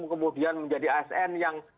kemudian menjadi asn yang